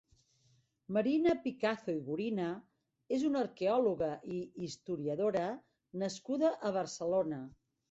Marina Picazo i Gurina és una arqueòloga i historiadora nascuda a Barcelona.